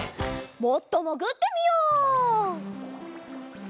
もっともぐってみよう！